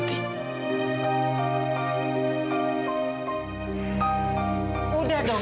udah dong duk kamu itu mau ngapain